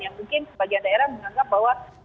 yang mungkin sebagian daerah menganggap bahwa